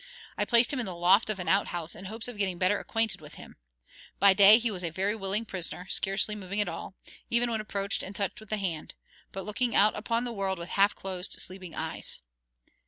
I placed him in the loft of an out house in hopes of getting better acquainted with him. By day he was a very willing prisoner, scarcely moving at all, even when approached and touched with the hand, but looking out upon the world with half closed, sleepy eyes.